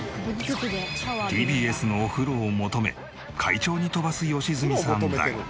ＴＢＳのお風呂を求め快調に飛ばす良純さんだが。